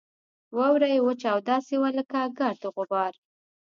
واوره یې وچه او داسې وه لکه ګرد او غبار.